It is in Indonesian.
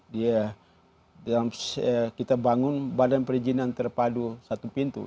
di dalam kita bangun badan perizinan terpadu satu pintu